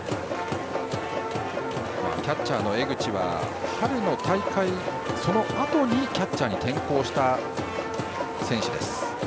キャッチャーの江口は春の大会、そのあとにキャッチャーに転向した選手です。